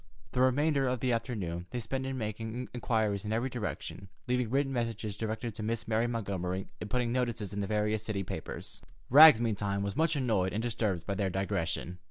The remainder of the afternoon they spent in making inquiries in every direction, leaving written messages directed to Miss Mary Montgomery, and putting notices in the various city papers. Rags, meantime, was much annoyed and disturbed by their digression.